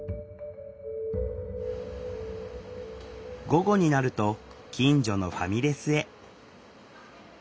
午後になると近所のファミレスへ。